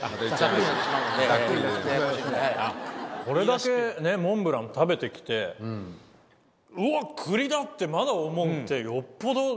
これだけねモンブラン食べてきてうわっ栗だ！ってまだ思うって。